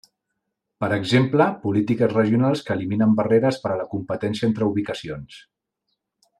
Per exemple, polítiques regionals que eliminen barreres per a la competència entre ubicacions.